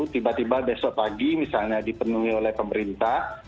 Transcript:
tiba tiba besok pagi misalnya dipenuhi oleh pemerintah